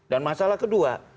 dan masalah kedua